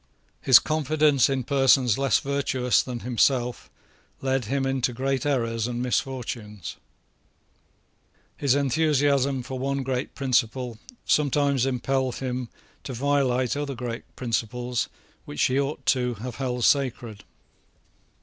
His confidence in persons less virtuous than himself led him into great errors and misfortunes. His enthusiasm for one great principle sometimes impelled him to violate other great principles which he ought to have held sacred.